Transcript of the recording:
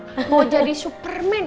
mau jadi superman